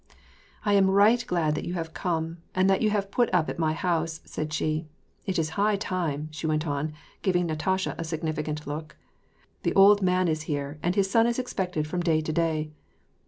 " I am right glad that you have come, and that you have put up at my house," said she. " It's high time," she went on, giving Natasha a significant look. " The old man is here, and his son is expected from day to day.